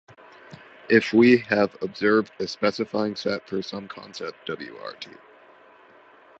If we have observed a specifying set for some concept w.r.t.